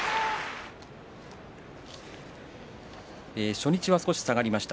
初日は少し下がりました。